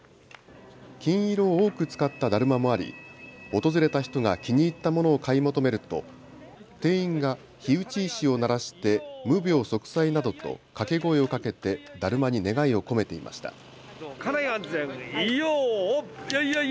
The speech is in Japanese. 金色を多く使っただるまもあり訪れた人が気に入ったものを買い求めると店員が火打ち石を鳴らして無病息災などと掛け声をかけてだるまに願いを込めていました。